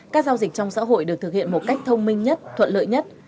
các giao dịch trong xã hội được thực hiện một cách thông minh nhất thuận lợi nhất